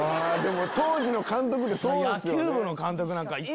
当時の監督ってそうですよね。